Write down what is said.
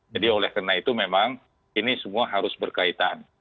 jadi oleh karena itu memang ini semua harus berkaitan